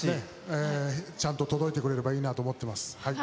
ちゃんと届いてくれればいいなと思ってます。